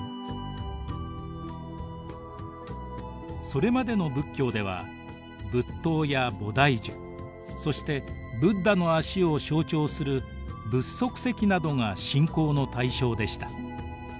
それまでの仏教では仏塔や菩提樹そしてブッダの足を象徴する仏足石などが信仰の対象でした。